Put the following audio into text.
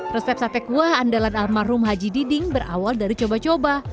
resep sate kuah andalan almarhum haji diding berawal dari coba coba